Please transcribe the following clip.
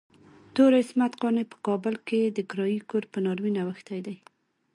تور عصمت قانع په کابل کې د کرايي کور په ناورين اوښتی دی.